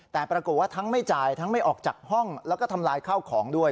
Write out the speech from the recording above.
แต่ปรากฏว่าทั้งไม่จ่ายทั้งไม่ออกจากห้องแล้วก็ทำลายข้าวของด้วย